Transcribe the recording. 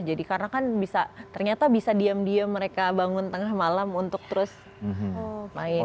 jadi karena kan bisa ternyata bisa diam diam mereka bangun tengah malam untuk terus main gadget